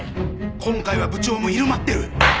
今回は部長も入間ってる！